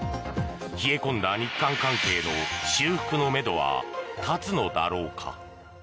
冷え込んだ日韓関係の修復のめどは立つのだろうか。